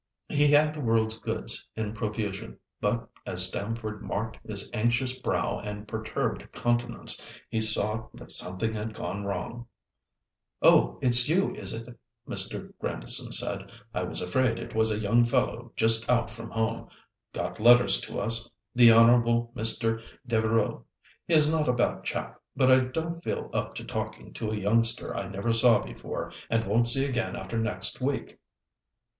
He had the world's goods in profusion, but as Stamford marked his anxious brow and perturbed countenance, he saw that something had gone wrong. "Oh, it's you, is it?" Mr. Grandison said. "I was afraid it was a young fellow just out from home—got letters to us—the Honourable Mr. Devereux; he's not a bad chap, but I don't feel up to talking to a youngster I never saw before and won't see again after next week.